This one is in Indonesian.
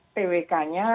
seleksi itu ada twk nya